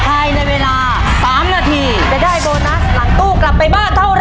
ภายในเวลา๓นาทีจะได้โบนัสหลังตู้กลับไปบ้านเท่าไห